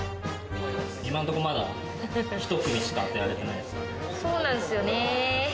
今のとこ、まだ１組しか当てそうですよね。